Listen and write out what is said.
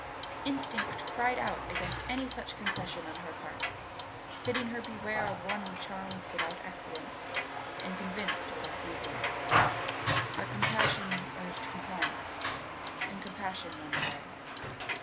Instinct cried out against any such concession on her part, bidding her beware of one who charmed without excellence and convinced without reason. But compassion urged compliance and compassion won the day.